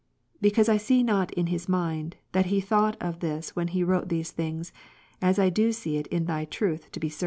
Because I see not in his mind, that he thought of this when he wrote these things, as I do see it in Thy truth to be certain.